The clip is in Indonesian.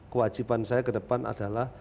kewajiban saya ke depan adalah